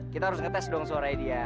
kita harus ngetes dong suaranya dia